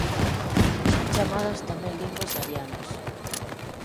Son chamadas tamén linguas arianas.